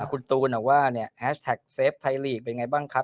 คุณตูนว่าเนี่ยแฮชแท็กเซฟไทยลีกเป็นไงบ้างครับ